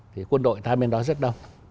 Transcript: thì quân đội thay bên đó rất đông